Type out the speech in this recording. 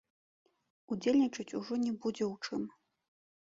Удзельнічаць ужо не будзе ў чым.